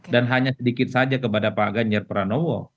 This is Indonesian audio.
hanya sedikit saja kepada pak ganjar pranowo